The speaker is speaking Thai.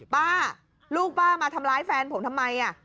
ป้าลูกป้ามาทำร้ายแฟนผมทำไม